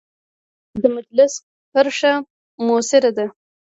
د مجلس کرښه مؤثره ده.